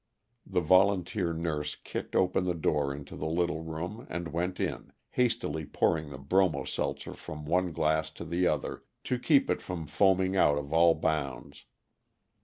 The volunteer nurse kicked open the door into the little room and went in, hastily pouring the bromo seltzer from one glass to the other to keep it from foaming out of all bounds.